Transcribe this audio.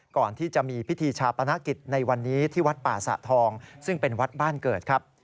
ก่อนที่จะมีพิธีชาปนกิจในวันนี้ที่วัดป่าสะทองซึ่งเป็นวัดบ้านเกิดครับ